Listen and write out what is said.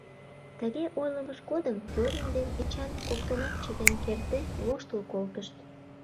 Тыге ойлымыж годым Зорин ден Эчан коктынат чытен кертде воштыл колтышт.